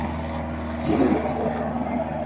Las alas son casi negras.